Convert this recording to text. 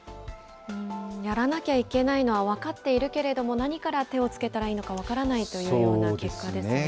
やらなきゃいけないのは分かっているけれども、何から手をつけたらいいのか分からないというような結果ですね。